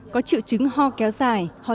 có triệu chứng ho kéo da